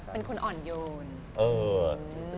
เป็นคนอ่อนโยน